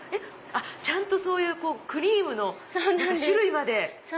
ちゃんとクリームの種類まで。